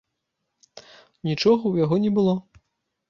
Нічога ў яго не было.